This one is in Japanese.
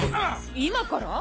今から？